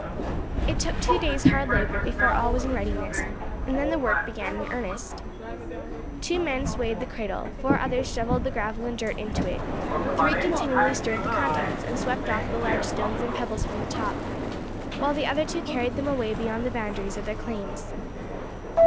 It took two days' hard labour before all was in readiness, and then the work began in earnest. Two men swayed the cradle, four others shovelled the gravel and dirt into it, three continually stirred the contents and swept off the large stones and pebbles from the top, while the other two carried them away beyond the boundaries of their claims.